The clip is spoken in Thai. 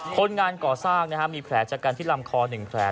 คนงานก่อสร้างมีแผลจากการที่ลำคอ๑แผล